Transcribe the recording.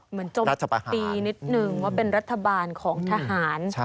เหมือนจบตีนิดหนึ่งว่าเป็นรัฐบาลของทหาร